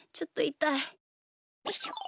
よいしょ。